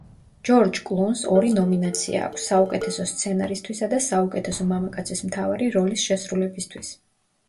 ჯორჯ კლუნს ორი ნომინაცია აქვს, საუკეთესო სცენარისთვისა და საუკეთესო მამაკაცის მთავარი როლის შესრულებისთვის.